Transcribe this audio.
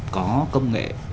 có công nghệ